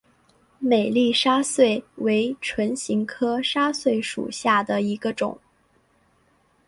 美丽沙穗为唇形科沙穗属下的一个种。